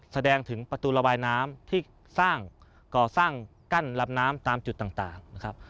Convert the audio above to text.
แสดงถึงประตูระบายน้ำที่สร้างก่อสร้างกั้นลำน้ำตามจุดต่างนะครับ